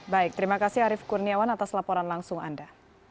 baik terima kasih arief kurniawan atas laporan langsung anda